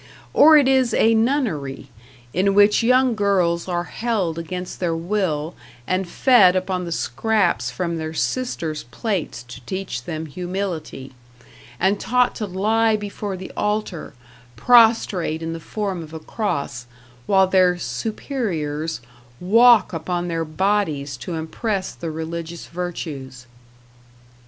Or it is a nunnery, in which young girls are held against their will and fed upon the scraps from their sisters' plates to teach them humility, and taught to lie before the altar, prostrate in the form of a cross, while their "Superiors" walk upon their bodies to impress the religious virtues.